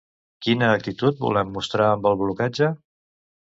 Quina actitud volen mostrar amb el blocatge?